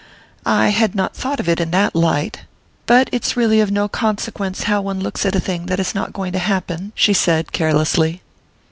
"I had not thought of it in that light but it's really of no consequence how one looks at a thing that is not going to happen," she said carelessly.